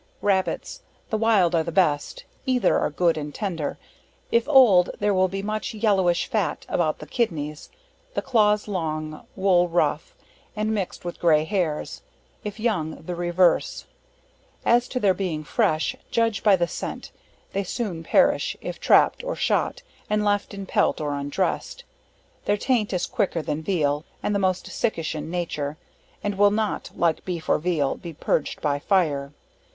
Rabbits, the wild are the best, either are good and tender; if old there will be much yellowish fat about the kidneys, the claws long, wool rough, and mixed with grey hairs; if young the reverse. As to their being fresh, judge by the scent, they soon perish, if trap'd or shot, and left in pelt or undressed; their taint is quicker than veal, and the most sickish in nature; and will not, like beef or veal, be purged by fire.